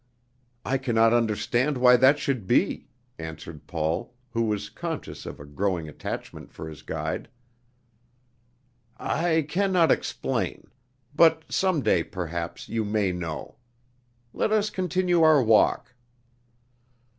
"I can not understand why that should be," answered Paul, who was conscious of a growing attachment for his guide. "I can not explain; but some day, perhaps, you may know. Let us continue our walk."